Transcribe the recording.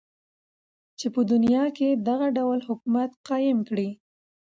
چی په دنیا کی دغه ډول حکومت قایم کړی.